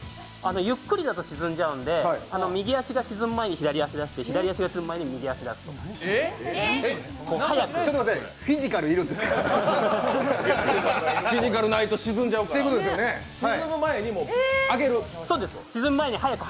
ゆっくりだと沈んじゃうんで、右足が沈む前に左足を出す左足が沈む前に右足を出すと、速く。